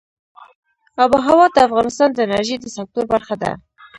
آب وهوا د افغانستان د انرژۍ د سکتور برخه ده.